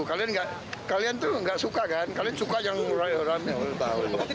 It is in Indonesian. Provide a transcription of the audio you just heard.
kalian itu tidak suka kan kalian suka yang ramai ramai